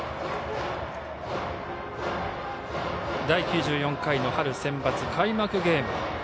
第９４回の春センバツ開幕ゲーム。